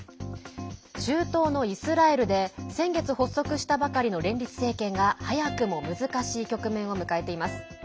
中東のイスラエルで先月、発足したばかりの連立政権が、早くも難しい局面を迎えています。